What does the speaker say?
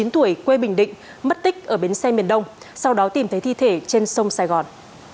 chín mươi tuổi quê bình định mất tích ở bến xe miền đông sau đó tìm thấy thi thể trên sông sài gòn